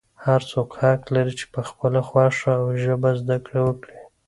هر څوک حق لري چې په خپله خوښه او ژبه زده کړه وکړي.